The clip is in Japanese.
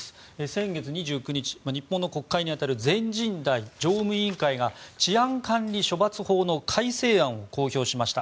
先月２９日、日本の国会に当たる全人代常務委員会が治安管理処罰法の改正案を公表しました。